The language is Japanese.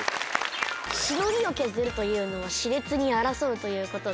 「しのぎ」を削るというのは熾烈に争うということで。